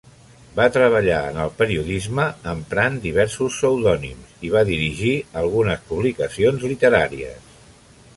Va treballar en el periodisme emprant diversos pseudònims i va dirigir algunes publicacions literàries.